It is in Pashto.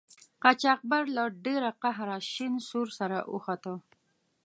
قاچاقبر له ډیره قهره شین سور سره اوښته.